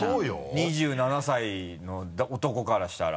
２７歳の男からしたら。